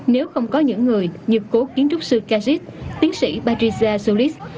nếu không có những người như cố kiến trúc sư kajit tiến sĩ patricia zulis